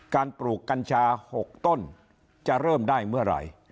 ปลูกกัญชา๖ต้นจะเริ่มได้เมื่อไหร่